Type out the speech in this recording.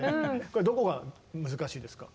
これどこが難しいですか？